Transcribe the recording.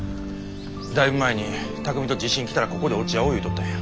だいぶ前に巧海と地震来たらここで落ち合おうって言うとったんや。